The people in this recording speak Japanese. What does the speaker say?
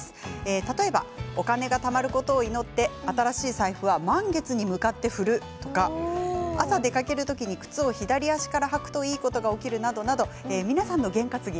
例えば、お金がたまることを祈って新しい財布は満月に向かって振るとか朝、出かける時に靴を左足から履くといいことが起きるなど皆さんの験担ぎ